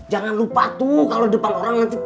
jangan lupa tuh kalau depan orang nanti